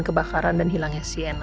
kebakaran dan hilangnya sienna